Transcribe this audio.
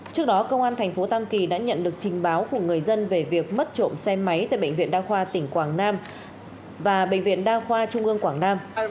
công an tp tam kỳ đã nhận được trình báo của người dân về việc mất trộm xe máy tại bệnh viện đa khoa tỉnh quảng nam và bệnh viện đa khoa trung ương quảng nam